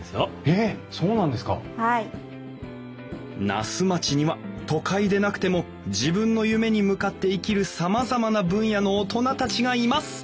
「那須町には都会でなくても自分の夢に向かって生きるさまざまな分野の大人たちがいます」。